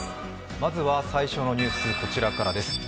まずは最初のニュース、こちらからです。